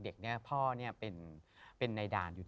พี่ยังไม่ได้เลิกแต่พี่ยังไม่ได้เลิก